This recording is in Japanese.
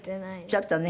ちょっとね。